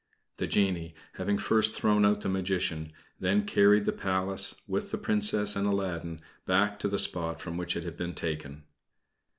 The genie, having first thrown out the Magician, then carried the Palace with the Princess and Aladdin back to the spot from which it had been taken.